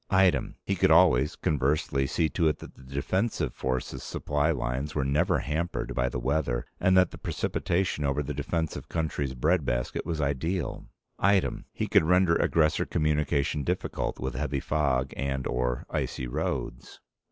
Item. He could always, conversely, see to it that the defensive force's supply lines were never hampered by the weather and that the precipitation over the defensive country's breadbasket was ideal. Item. He could render aggressor communication difficult with heavy fog and/or icy roads.